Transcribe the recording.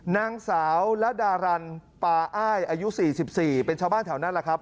นางสาวระดารันปาอ้ายอายุ๔๔เป็นชาวบ้านแถวนั้นแหละครับ